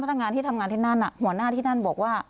พนักงานที่ทำงานที่นั่นหัวหน้าที่นั่นบอกว่า